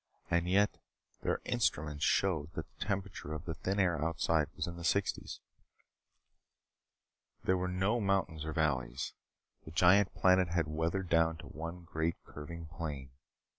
And yet their instruments showed that the temperature of the thin air outside was in the sixties. There were no mountains or valleys. The giant planet had weathered down to one great curving plain.